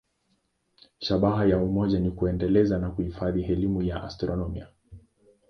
Shabaha ya umoja ni kuendeleza na kuhifadhi elimu ya astronomia.